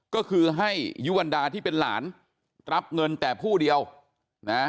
ก็คือให้ยุวรรณดาที่เป็นหลานรับเงินแต่ผู้เดียวนะ